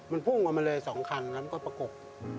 มันพุ่งออกมาเลย๒คันแล้วก็ประกบ